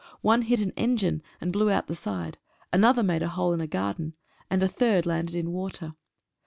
One hit an engine and blew out the side, another made a hole in a garden, and the third landed in water.